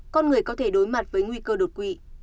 con người có thể đối mặt với nguy cơ đột quỵ